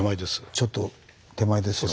ちょっと手前ですよね。